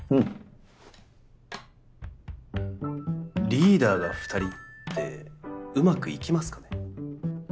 リーダーが２人ってうまくいきますかね？